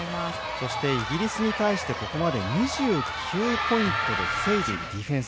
そしてイギリスに対してここまで２９ポイントで防いでいるディフェンス。